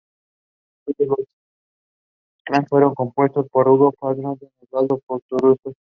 Todos los temas fueron compuestos por Hugo Fattoruso y Osvaldo Fattoruso.